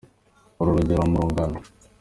Uri urugero mu rungano.